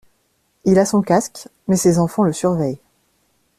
Il a son casque mais ses enfants le surveillent.